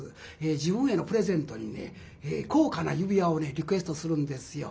自分へのプレゼントにね高価な指輪をねリクエストするんですよ。